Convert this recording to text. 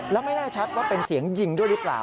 แล้วไม่แน่ชัดว่าเป็นเสียงยิงด้วยหรือเปล่า